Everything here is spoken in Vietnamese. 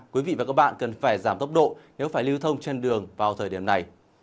quý vị và các bạn cần phải giảm tốc độ nếu phải lưu thông trên đường vào thời điểm này